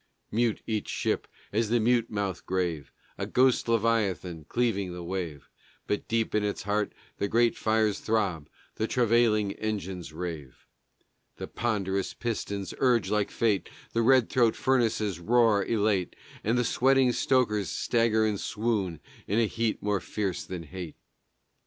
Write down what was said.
Mute each ship as the mute mouth grave, A ghost leviathan cleaving the wave; But deep in its heart the great fires throb, The travailing engines rave. The ponderous pistons urge like fate, The red throat furnaces roar elate, And the sweating stokers stagger and swoon In a heat more fierce than hate.